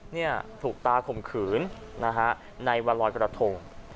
เนี่ยถูกตาข่มขืนนะฮะในวันลอยกระทง